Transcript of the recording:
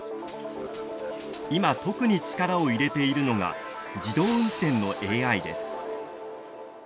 今特に力を入れているのが自動運転のＡＩです。